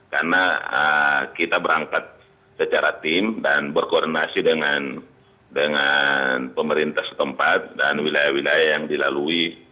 karena kita berangkat secara tim dan berkoordinasi dengan pemerintah setempat dan wilayah wilayah yang dilalui